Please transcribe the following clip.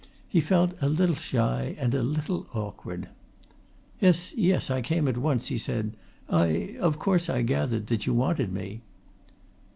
He felt a little shy and a little awkward. "Yes, yes, I came at once," he said. "I of course, I gathered that you wanted me."